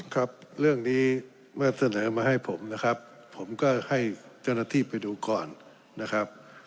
ครับเรื่องนี้เมื่อเสนอมาให้ผมนะครับผมก็ให้เจ้าหน้าที่ไปดูก่อนนะครับ